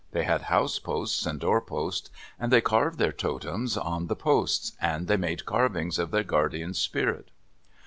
They had house posts and door posts, and they carved their totems on the posts, and they made carvings of their guardian spirit.